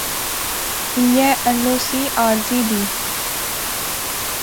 ایہہ ایل او سی عارضی دی